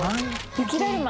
雪だるま。